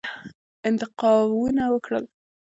انتقاونه وکړل.